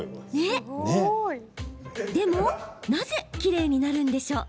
でも、なぜきれいになるんでしょう。